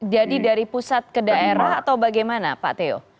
jadi dari pusat ke daerah atau bagaimana pak teo